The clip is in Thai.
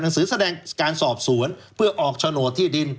หนังสือแสดงการสอบสวนเพื่อออกชโนทที่ดิน